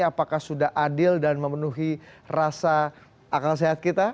apakah sudah adil dan memenuhi rasa akal sehat kita